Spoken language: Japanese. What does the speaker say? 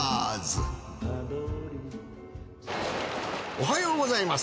おはようございます。